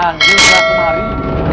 panggil mira kemarin